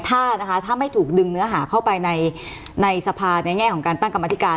ถ้านะคะถ้าไม่ถูกดึงเนื้อหาเข้าไปในสภาในแง่ของการตั้งกรรมธิการ